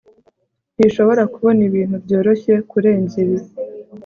ntishobora kubona ibintu byoroshye kurenza ibi